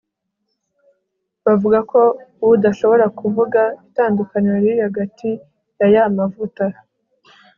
bavuga ko udashobora kuvuga itandukaniro riri hagati yaya mavuta